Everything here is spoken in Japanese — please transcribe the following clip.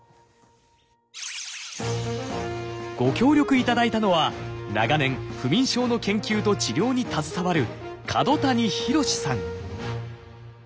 ご協力いただいたのは長年不眠症の研究と治療に携わる角谷寛さん。